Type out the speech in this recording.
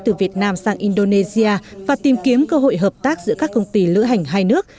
từ việt nam sang indonesia và tìm kiếm cơ hội hợp tác giữa các công ty lữ hành hai nước